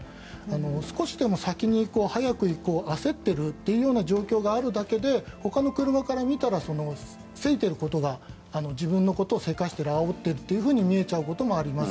少しでも先に行こう早く行こう焦っているという状況があるだけでほかの車から見たら急いていることが自分のことを急かしてるあおっていると見えちゃうこともあります。